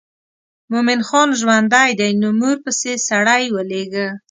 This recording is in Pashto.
مومن خان ژوندی دی نو مور پسې سړی ولېږه.